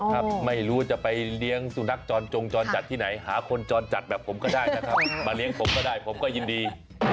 ครับไม่รู้จะไปเลี้ยงสุนัขจรจงจรจัดที่ไหนหาคนจรจัดแบบผมก็ได้นะครับมาเลี้ยงผมก็ได้ผมก็ยินดี